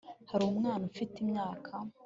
hari umwana ufite imyaka